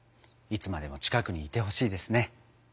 いつまでも近くにいてほしいですね。